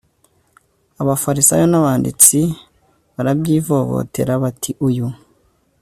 abafarisayo n abanditsi barabyivovotera bati uyu